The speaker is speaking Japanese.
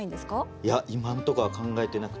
いや今んとこは考えてなくて。